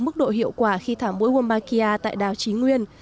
mức độ hiệu quả khi thả mũi wombakia tại đảo trí nguyên